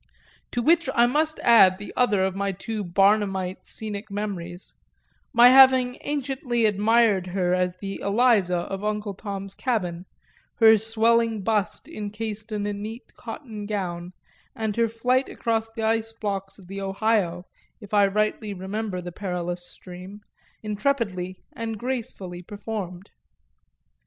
To which I must add the other of my two Barnumite scenic memories, my having anciently admired her as the Eliza of Uncle Tom's Cabin, her swelling bust encased in a neat cotton gown and her flight across the ice blocks of the Ohio, if I rightly remember the perilous stream, intrepidly and gracefully performed.